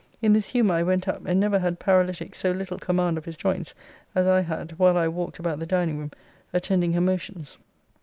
In this humour I went up, and never had paralytic so little command of his joints, as I had, while I walked about the dining room, attending her motions.